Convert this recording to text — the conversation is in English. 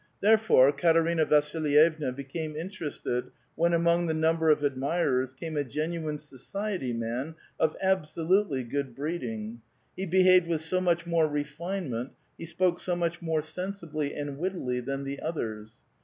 Therefore, Katerina Vasilyevna became interested when among the number of admirers camo a genuine society man of absolutely good breeding; he behaved with so much more refinement; he spoke so much more sensibly and wittily than the others.